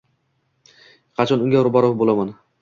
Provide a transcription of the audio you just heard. Qachon unga ro`baro` bo`laman